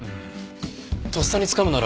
とっさにつかむなら。